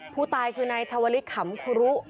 ผู้ตายคือนายชาวลิศขำคุรุ